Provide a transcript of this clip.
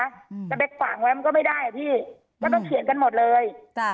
จะไปขวางไว้มันก็ไม่ได้อ่ะพี่ก็ต้องเขียนกันหมดเลยจ้ะ